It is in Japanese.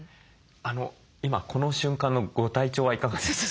今この瞬間のご体調はいかがですか？